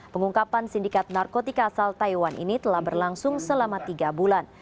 pengungkapan sindikat narkotika asal taiwan ini telah berlangsung selama tiga bulan